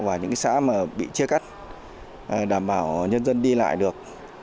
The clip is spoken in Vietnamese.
và những xã mà bị chia cắt đảm bảo nhân dân đi lại được